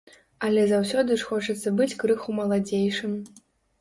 Але заўсёды ж хочацца быць крыху маладзейшым.